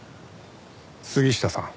杉下さん。